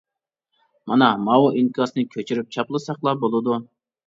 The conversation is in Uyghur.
مانا ماۋۇ ئىنكاسنى كۆچۈرۈپ چاپلىساقلا بولىدۇ.